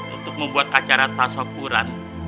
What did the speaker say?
untuk membuat acara tasok puran